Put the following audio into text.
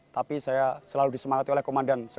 tapi saya selalu disemangati oleh komandir saya